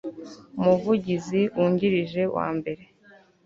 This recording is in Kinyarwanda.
umuvugizi wungirije wa mbere